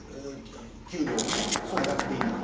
給料が上がっていない。